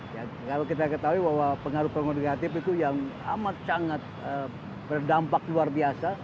ya kalau kita ketahui bahwa pengaruh pengaruh negatif itu yang amat sangat berdampak luar biasa